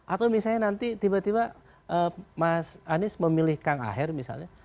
atau misalnya nanti tiba tiba mas anies memilih kang aher misalnya